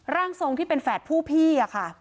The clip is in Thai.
ร่างทรงที่เป็นแฝดผู้พี่